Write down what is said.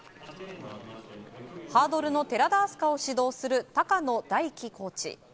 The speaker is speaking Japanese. ハードルの寺田明日香を指導する高野大樹コーチ。